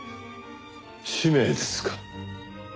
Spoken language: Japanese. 使命ですか。